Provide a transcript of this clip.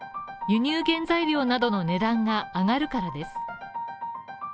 輸入原材料などの値段が上がるからです。